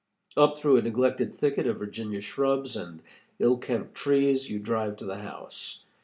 Up through a neglected thicket of Virginia shrubs and ill kempt trees you drive to the house.